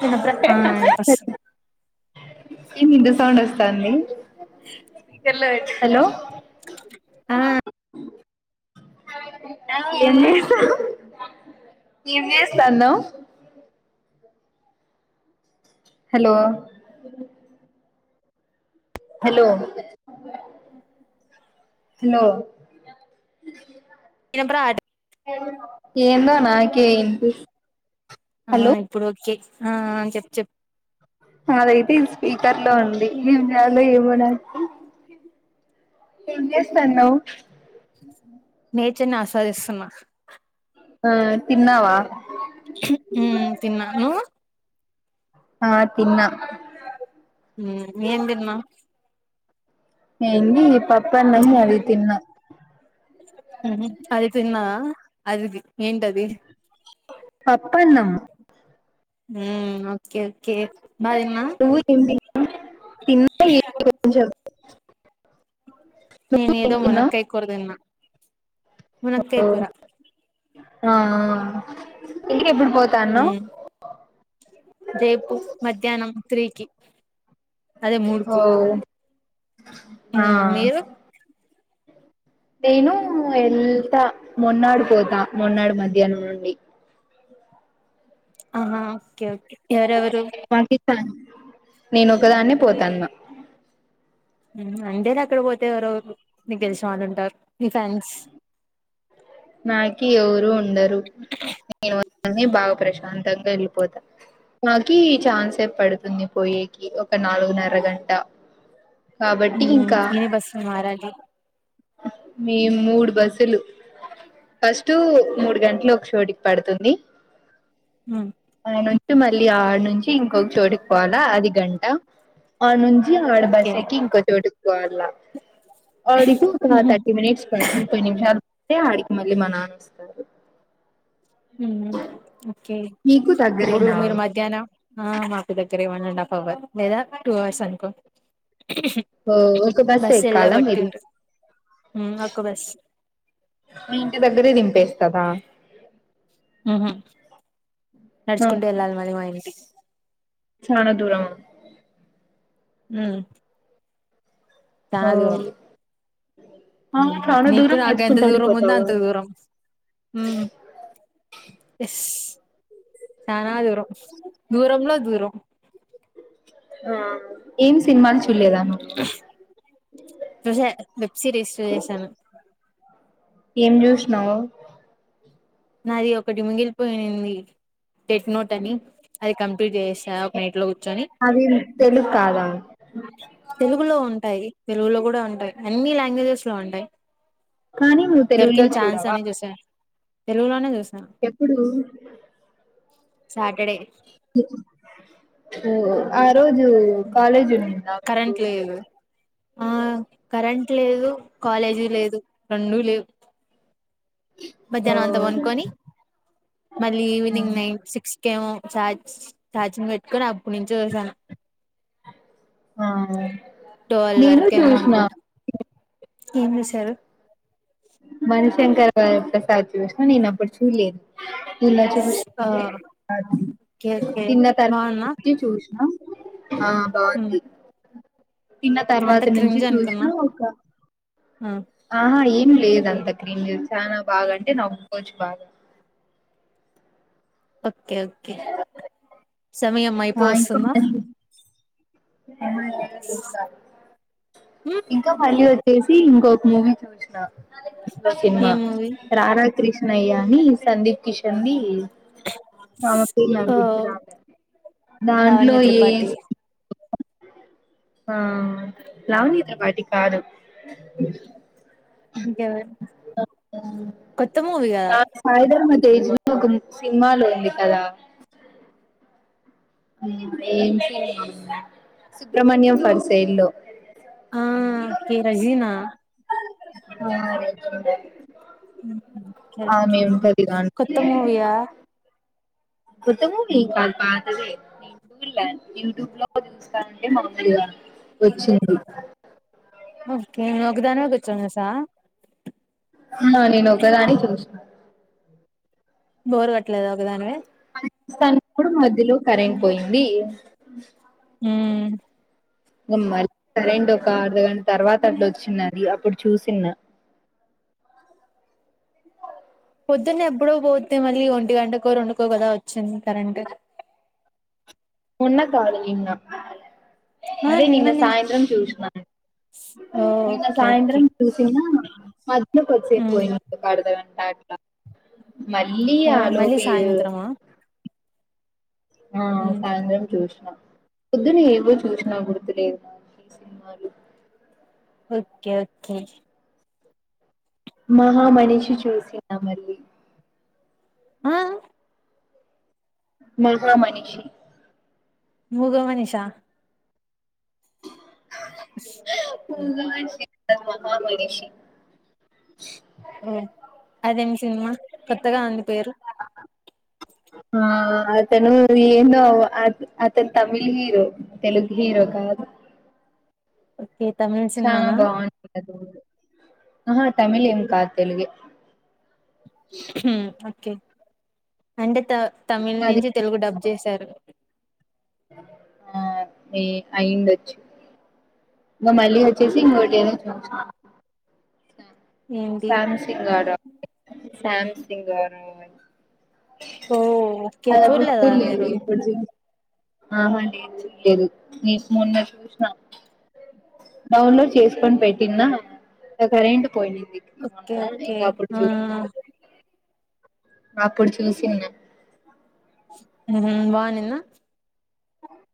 చిన్నప్పుడ ఆ ఇనిపిస్తుంది ఏ ఇంత సౌండ్ వస్తాండిపీ లో హలో ఆ ఎన్ని ఏ చేస్తాను హలో హలో హలో చిన్నప్పుడ ఆట ఏందో నాకే ఇంటిపి ఆ ఇప్పుడు కే ఆ చెప్ చెప్ అదైతే ఈ స్పీకర్ లో ఉండి ఏం రాలో ఏమన ఏస్తాను నేచర్ ని ఆస్వాదిస్తున్నా ఆ తిన్నావా ఉ తిన్నాను ఆ తిన్నా ఉమ్ ఏం తిన్నా ఏడి ఈ పప న అది తిన్నా అది తిన్నావా అదిది ఏంటది పప్పన్నాం హ ఓకే క బధ నువ్వు ఏం తి తిన్నా ఏంది కొంచెం నువ్వు నేన్ ఏం ఏదో మన తిన్నావ్ కై కోరదన్నా ఓ మునకేకుర ఆ అ ఆ ఊ రేపు మధ్యాహ్నం త్రీకి ఓయ్ ఊ మీరు నేను ఎల్తా మొన్నాడుబోడు మొన్నాడు మధ్య యన్ నుండి ఆహా ఓకే ఓకే ఎవరెవరు మాకి నేను ఒకదాన్న పోతాన్న అంటేనే అక్కడ పోతే ఎవరోరు నీకు తెలిసిన ఉంటారు నీ ఫ్రెండ్స్ నాకి ఎవురు ఉండరు నేను ఒకన్నే బాగా ప్రశాంతంగా వెళ్ళిపోతా నాకి చాన్సేపు పడుతుంది పోయేకి ఒక నాలుగున్నర గంట కాబట్టి హ ఏ బస్సు మారలి మేం మూడు బస్సులు ఫస్టు మూడు గంటలు ఒక చోటికి పడుతుంది హు ఆ నుంచి మళ్ళీ ఆనుంచి ఇంకొక చోటుకి పోవాలా అది గంట అ నుంచి ఆడ ఓకే బస్సేక్కి ఇంకోచోటుకి పోవాళ్ల అడికు హుహు. థర్టీ మనిట్స్ ప ముప్పై నిమిష అ మళ్ళీ మా నాన్న వస్తారు ఉ ఓకే మీకు ఇప్పుడు దగ్గరేనా మీరు మధ్యాహ్నం ఆ మాకి దగ్గరే వన్ అండ్ హాఫ్ అవర్ లేదా టూ అవర్స్ అనుకో ఓ ఒక బస్సే బస్ ఎక్కలా ఎల్లబట్టి మీరు ఉంటది హ్మ్ ఒక్క బస్ మీ ఇంటి దగ్గరే దింపేస్తదా ఉహు నడుచుకుంటు వెళ్ళాలి మళ్లి మా ఇంటికి చనా దూరము ఉ ఓ చానా దూరం ఆ చానా నీకు దూరం నాకు ఎంత నడుచుకుంటానే దూరం ఉందో పోతావా అంత దూరం ఉ యస్ చానా దూరం దూరంలో దూరం ఆ ఏం సినిమా చెప్పు చూసా వెబ్ సిరీస్ చూసేశాను ఏం చూసినావ్ నాది ఒకటి మిగిలిపోయింది టెట్ నోట్ అని అది కంప్లీట్ చేసెసా ఒక నైట్ లో కు కుర్చొని అవి తెలుగు కాదా తెలుగులో ఉంటాయి తెలుగులో కూడా ఉంటాయి అన్ని లాంగ్వేజెస్ లో ఉంటాయి కానీ నువ్వు తెలుగులో దొర్కింది చూడవా చాన్సని చుసిన తెలుగులోనే చూస్నా ఎప్పుడు సాటర్డే ఓఅడ్ ఉ కాలేజ్ కరెంట్ లేదు ఆ కరెంట్ లేదు కాలేజ్ లేదు రెండు లేవ్ ఓ మధ్యాహ్నం అంతా పొనుకొని మళ్ళీ ఆ ఈవినింగ్ నైన్ సిక్స్ ఇంకేమో ఛార్జ్ ఛార్జింగ్ పెట్టుకొని అప్పుడు నుంచి చూశాను ఆ ట్వల్ నేను వరకేమో చూసిన అనుకుంటాం ఏమి చూసారు మణిశంకర్ గారి ప్రసాద్ చూసిన నిన్నప్పుడుచుసిన ఆ చూళ్ళే ఓకే ఓకే తిన్న బాగున్నా తర్వాత ఇ చూసిన ఆ బాగుంది తిన్న అంత తర్వాత నుంచి క్రింజ్ చూసిన అనుకున్నా ఒక ఆ ఆహా ఏం లేదు అంత క్రీమ్ చనా బాగా అంటే నవ్వు ఒప్పుకోవచ్చు బాగా నో సౌండ్ ఓకే ఓకే సమయం అయిపో ఆ ఇంకా వస్తుందా మళ్ళీ ఇంకా మళ్ళీ వచ్చేసి ఇంకొక మూవీ చూసిన ఒక ఏ సినిమా మూవీ రధా కృష్ణ అయ్యా అని సందీప్ కిషన్ రామ ఓ రాల దాంట్లో లావణ్య ఏ త్రిపాఠి ఆ లవనీత వాటి కాదు ఇంకెవరు కొత్త మూవీ కదా స్జ్ సినిమాలో ఉంది కదా ఏ సుబ్రమణ్యం ఫర్సైల్లో ఆ అకే రజీనా బరి కొత్త మూవయా త్తమ అది పతే యూయూబ్ మామగా వచ్చింది చ్చన్నసా నేను ఒక ఒకదాని చూస బోర్ కట్టలేదు ఒక దాని వస్తన్నప్పుడు మధ్యలో కరెం పోయింది మ్మ్మ్మ్ ఇ మళ్ళీ కరెంట్ ఒక అర్ధ గంట తర్వాత అట్లా వచ్చిందిది అప్పుడు చూసిన్న పొద్దున్న ఎప్పుడో పోద్ది మళ్ళీ ఒంటి గంట కోరు వండుకో కదా వచ్చింది కరెంట్ ఉన్న కాదు ఆ అదే ని నిన్ననే సాయంత్రం ష ఓ ఓకే ఓకే సాయంత్రం చూసిన మధ కొ వచ్చే ఉమ్ పోయి కాడద మల్లి ఓ ఆలో మళ్ళీ పేరు సాయంత్రమా ఆ ఉమ్ సాయంత్రం చూసిన పొద్దున ఏవో చూసినా గుర్తులేదు ఈ సినిమాలు ఓకే ఓకే మహామనిషి చూసిన మళ్ ఆ మీరుగు మనిషి మూగ మనిష పగా మహా మనిషి ఓ అదేమి సినిమా కొత్తగా ఉంది పేరు ఆ అతను ఏను అతను తమిళ్ హీరో తెలుగు హీరో కాదు ఓకే తమిళ్ చాలా సినిమానా బాగుంది ఆ తమిళ ఏం కా తెలుగు ఓకే అండ త తమిళ్ అది నుంచి తెలుగు డబ్బు చేశారు ఆ ఏ అయింద వచ్చు మా మళ వచ్చ ఓకే సింగ్టినే చ ఏంటి శ్యామసిన్సిన్గరై ఓ ఓకే అద చూడలేదా బకుల్ లే మీరు ఇప్పుడు ఆహా లేే చెదు నీ మన్న చూషిన డౌన్లోడ్ చేసుకొని పెట్టింద కరెంట్ పోయింది ఓకే ఓకే అప్పుడు చూసిన బానింద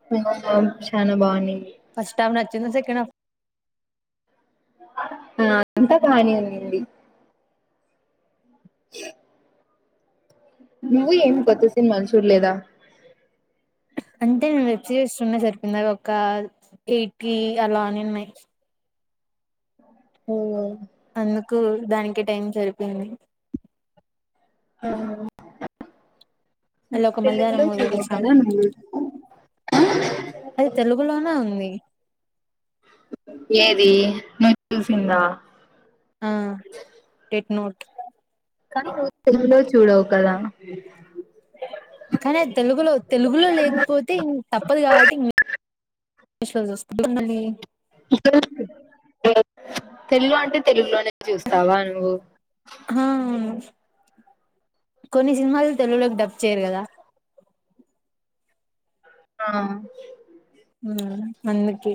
మ నా శానాభాని ఫస్ట్ హాఫ నచ్చుంది సెకండ్ హఫ్ ఆ అంత బానే ఉండింది చె నువ్వు ఏం కొత్త సినిమాలు చూడలేదా అంటే నేను వెబ్ సిరీస్ చూడటమే సరిపోయింది ఒక ఎయిటీ అలానే ఉన్నాయి ఓ అందుకు దానికి టైం సరిపోయింది ఆహ మళ్ళీ ఒక మలయాళం తెలుగులో మూవీ చూడవు చూసాం కదా నువ్వు అది తెలుగులోనే ఉంది ఏది నువ్ చూసిందా ఆ టెట్ నోట్ కానీ నువ్ తెలుగు లో చూడవు కదా కానీ అది తెలుగులో తెలుగులో లేకపోతే ఇం తప్పదు కాబట్టి ఇ ఇంగ్లీషులో చూస్తుందా బొమ్మల్ని [inaudible] తెలుగు అంటే తెలుగులోనే చూస్తావా ను్ ఆ కొన్ని సినిమాలు తెలుగులోకి డబ్ చేయరు కదా ఆ అందుకే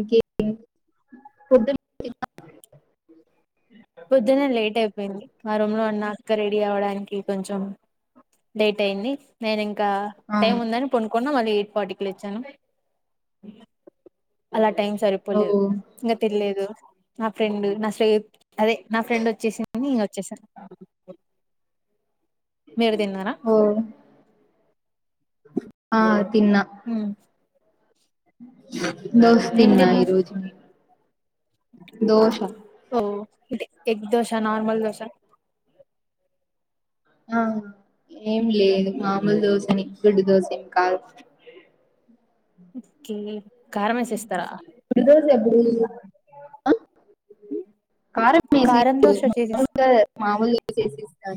ఇకే టి పొద్దున తిన్నావా పొద్దునే లేట్ అయిపోయింది మా రూమ్ లో ఉన్న అక్క రెడీ అవడానికి కొంచెం లేేట్ అయింది నేను ఇంకా ఆ టైమ్ ఉందని పనుకున్నా మళ్ళీ ఈపాటికి లేచాను అలా టైం ఓ సరిపోలేదు ఇంకా తినలేదు నా ఫ్రెండ్ నా శ్రే అదే నా ఫ్రెండ్ వచ్చేసింది ఇక వచ్చేసాను మీరు తిన్నారా ఓ ఆ తిన్నా హ దోష ఏం తిన్న తిన్నారు ఈరోజు నేను దోష అంటే ఎగ్ దోస నార్మల్ దోస ఆ ఏం లేదు మామూలు దోసనే గుడ్డు దోస ఏమి కాదు కే కారం వేసి ఇస్తారా ఆఁ కారం తో చట్నీ చే ఆ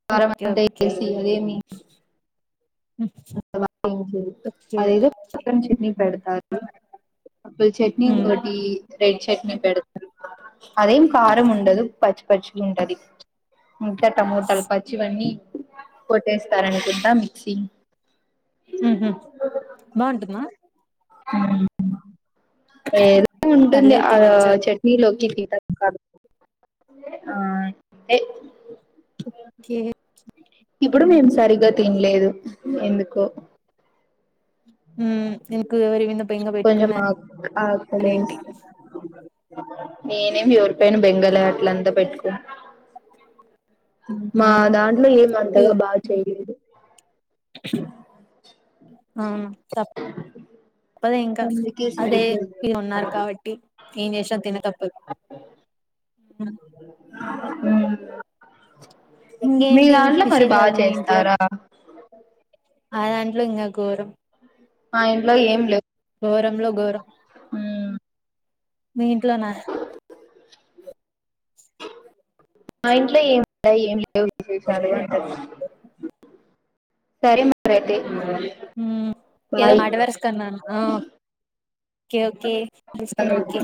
కారం ఓకే అంతా ఓకే వేసిరేమి ఓకే అదేదో అల్లం చట్నీ పెడతారు అప్పుల్ చట్నీ ఉమ్ ఇంకోటి రెడ్ చట్నీ పెడతారు అదేం కారం ఉండదు పచ్చి పచ్చి కాఉంటది ఇంకా టమోటాలు పచ్చివన్నీ కొట్టేస్తారనుకుంటా మిక్సీ ఉహ బాగుంటుందా ఏదో ఉంటుంది పల్లే ఆ తినొచ్చు చట్నీలోకి ఆ హే ఓకే ఇప్పుడు మేం సరిగా తినలేదు ఎందుకు హ కొంచెం అగ్గు అగ్గు మళ్ళీ చేస్తా నేనేం ఎవరిపైన బెంగాల్ అట్లే అంత పెట్టుకోను మా ఆ దాంట్లో యు ఏమంతగా బాగా చెయలేదు అవును తప్ ప్పదే ఇంకా అందుకే అదే సరిగ్గా లేదు ఇది ఉన్నారు కాబట్టి ఏం చేసాం తినక మ్ ఊ మ్ మీ ఇంకేంటి దాంట్లో మరి బాగా విశేషాలు చేస్తారా మా దాంట్లో ఇంగ ఘోరం మా ఇంట్లో ఏం లేవ్ ఘోరంలో ఘోరం ఉమ్ మీ ఇంట్లో నా మా ఇంట్లో ఏముంటాయి ఏం లేవు విశేషాలు అంటున్న సరే మరైతే ఉమ్ ఏదో బాయ్ మాట వరుసకి అన్నాను ఆ కే ఓకే తెసుకున్న ఒకే